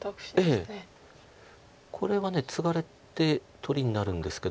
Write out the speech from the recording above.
これはツガれて取りになるんですけども。